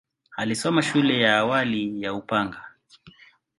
Alisoma shule ya awali ya Upanga.